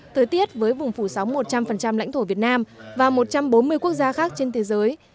thời tiết với vùng phủ sóng một trăm linh lãnh thổ việt nam và một trăm bốn mươi quốc gia khác trên thế giới